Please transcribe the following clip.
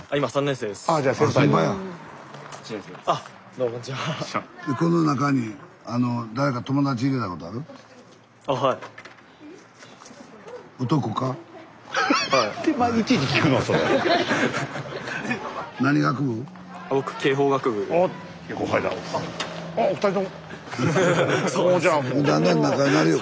スタジオだんだん仲になるよ